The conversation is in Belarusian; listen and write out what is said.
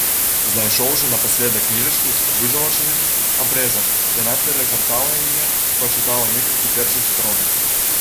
Знайшоўшы напаследак кніжачку з вызалачаным абрэзам, яна перагартала яе, прачытала некалькі першых старонак.